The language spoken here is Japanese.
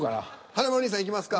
華丸兄さんいきますか。